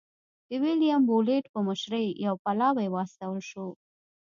د ویلیم بولېټ په مشرۍ یو پلاوی واستول شو.